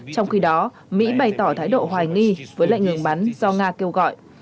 trong khi đó mỹ bày tỏ thái độ hoài nghi với lệnh ngừng bắn do nga kêu gọi